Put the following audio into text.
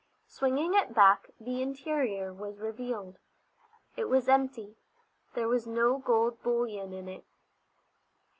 Swinging it back the interior was revealed. It was empty. There was no gold bullion in it.